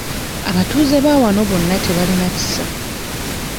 Abatuuze ba wano bonna tebalina kisa.